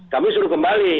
kami suruh kembali